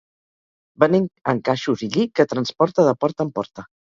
Venent encaixos i lli que transporta de porta en porta.